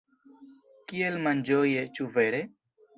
Kiel malĝoje, ĉu vere?